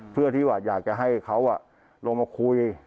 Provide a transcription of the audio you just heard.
เพื่อที่ว่าอยากจะให้เขาลงมาคุย